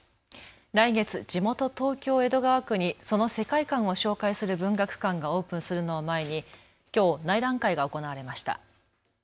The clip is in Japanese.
来月、地元、東京江戸川区にその世界観を紹介する文学館がオープンするのを前にきょう内覧会が行われました。